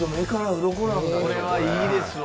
これはいいですわ。